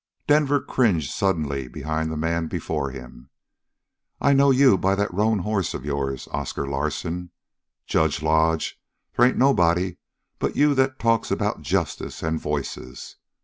Denver cringed suddenly behind the man before him. "I know you by that roan hoss of yours, Oscar Larsen. Judge Lodge, they ain't nobody but you that talks about 'justice' and 'voices.'